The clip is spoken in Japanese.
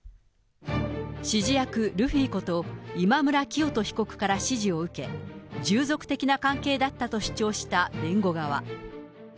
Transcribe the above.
指示役、ルフィこと今村磨人被告から指示を受け、従属的な関係だったと主張した弁護側。